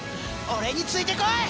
俺についてこい！